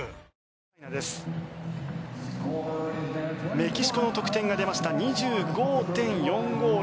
メキシコの得点が出ました２５．４５０。